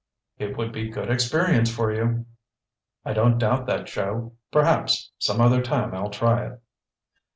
"It would be good experience for you." "I don't doubt that, Joe. Perhaps, some other time I'll try it."